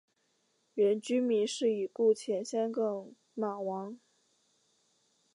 原居民是已故前香港马王。